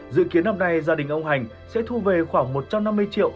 dự kiến năm nay gia đình ông hành sẽ thu về khoảng một trăm năm mươi triệu